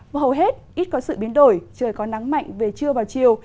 và hầu hết ít có sự biến đổi trời có nắng mạnh về trưa vào chiều